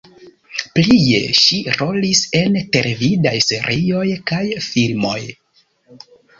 Plie ŝi rolis en televidaj serioj kaj filmoj.